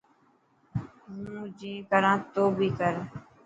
هون جين ڪران تو بي ڪر.